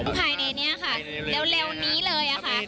ผ่ายในนี้ค่ะเร็วนี้เลย